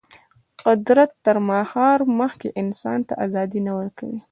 قدرت تر مهار مخکې انسان ته ازادي نه ورکوي.